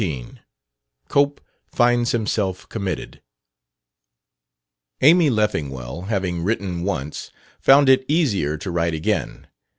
19 COPE FINDS HIMSELF COMMITTED Amy Leffingwell, having written once, found it easier to write again.